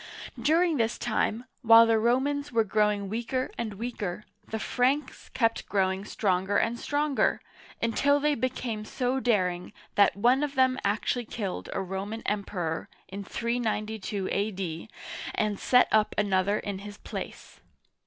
During this time, while the Romans were growing weaker and weaker, the Franks kept growing stronger and stronger, until they became so daring that one of them actually killed a Roman Emperor in 392 a.d. and set up another in his place.